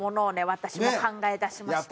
私も考え出しました。